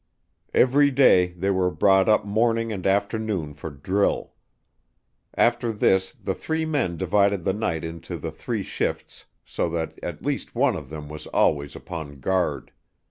Every day they were brought up morning and afternoon for drill. After this the three men divided the night into the three shifts so that at least one of them was always upon guard.